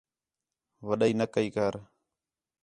وَݙائی نہ کَئی کر